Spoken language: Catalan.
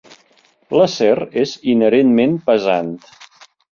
L'acer és inherentment pesant.